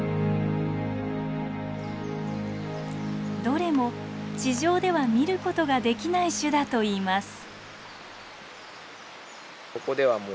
どれも地上では見ることができない種だといいます。